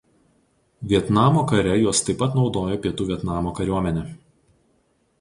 Vietnamo kare juos taip naudojo Pietų Vietnamo kariuomenė.